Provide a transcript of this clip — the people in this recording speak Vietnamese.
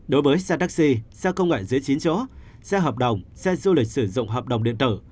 đối với xe taxi xe công loại dưới chín chỗ xe hợp đồng xe du lịch sử dụng hợp đồng điện tử